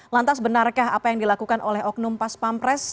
lantas benarkah apa yang dilakukan oleh oknum pas pampres